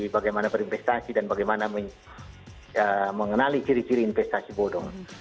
bagaimana berinvestasi dan bagaimana mengenali ciri ciri investasi bodong